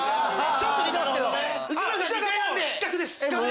ちょっと似てますけど。